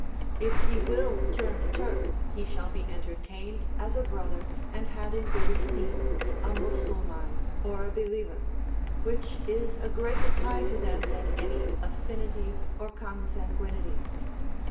If he will turn Turk, he shall be entertained as a brother, and had in good esteem, a Mussulman or a believer, which is a greater tie to them than any affinity or consanguinity.